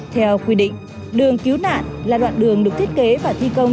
theo quy định đường cứu nạn là đoạn đường được thiết kế và thi công